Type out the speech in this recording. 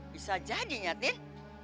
bisa jadinya teh